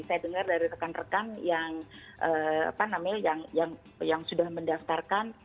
saya dengar dari rekan rekan yang sudah mendaftarkan